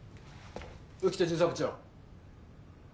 浮田巡査部長。